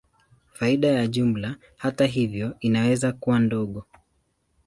Faida ya jumla, hata hivyo, inaweza kuwa ndogo.